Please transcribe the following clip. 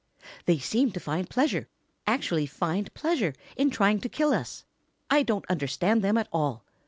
"They seem to find pleasure, actually find pleasure, in trying to kill us. I don't understand them at all.